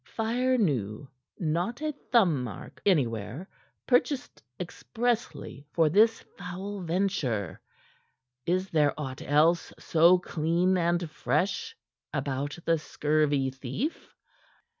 "Fire new; not a thumbmark anywhere; purchased expressly for this foul venture. Is there aught else so clean and fresh about the scurvy thief?"